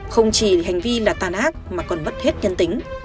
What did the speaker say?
không chỉ hành vi là tàn ác mà còn mất hết nhân tính